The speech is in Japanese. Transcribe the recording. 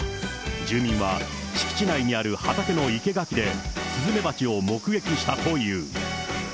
住民は敷地内にある畑の生け垣で、スズメバチを目撃したという。